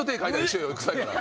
臭いから。